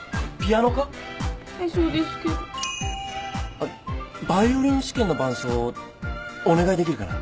あっバイオリン試験の伴奏お願いできるかな？